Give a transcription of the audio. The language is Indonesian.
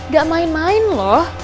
gak main main loh